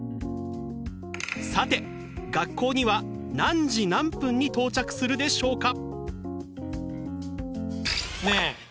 さて学校には何時何分に到着するでしょうか？